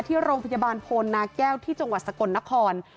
ที่โรงพยาบาลโพนาแก้วที่จังหวัดสกลนคร